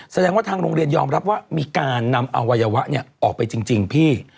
แสดงว่าทางโรงเรียนยอมรับว่ามีการนำอวัยวะออกไปจริงพี่